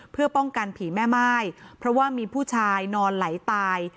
เพื่อป้องกันผีแม่ม่ายเพราะว่ามีผู้ชายนอนไหลตาย